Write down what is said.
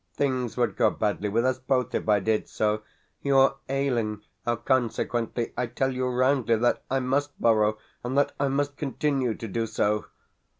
Things would go badly with us both if I did so. You are ailing. Consequently, I tell you roundly that I MUST borrow, and that I must continue to do so.